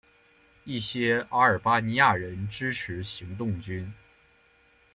一些阿尔巴尼亚人支持行动军。